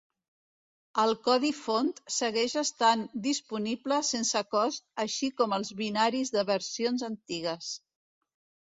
El codi font segueix estant disponible sense cost així com els binaris de versions antigues.